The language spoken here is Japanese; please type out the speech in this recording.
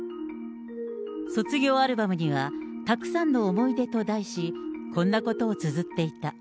卒業アルバムには、たくさんの思い出と題し、こんなことをつづっていた。